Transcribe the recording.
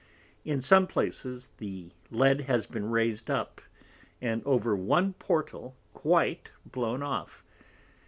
In some places the Lead has been raised up, and over one Portal quite blown off.